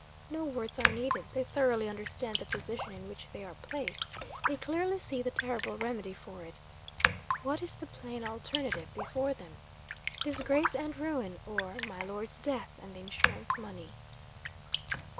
No words are needed. They thoroughly understand the position in which they are placed; they clearly see the terrible remedy for it. What is the plain alternative before them? Disgrace and ruin or, my Lord's death and the insurance money!